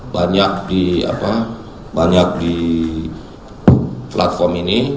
banyak di platform ini